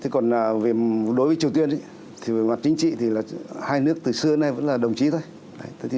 còn đối với triều tiên về mặt chính trị hai nước từ xưa đến nay vẫn là đồng chí thôi